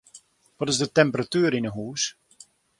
Wat is de temperatuer yn 'e hûs?